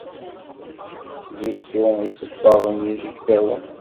Tettlusu isebbaḍen izegzawen